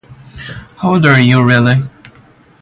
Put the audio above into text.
How old are you really?